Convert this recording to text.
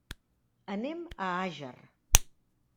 Anem a Àger.